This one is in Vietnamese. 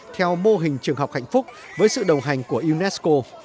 theo mô hình trường học hạnh phúc với sự đồng hành của unesco